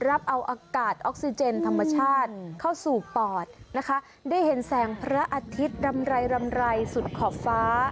รับเอาอากาศออกซิเจนธรรมชาติเข้าสู่ปอดนะคะได้เห็นแสงพระอาทิตย์รำไรรำไรสุดขอบฟ้า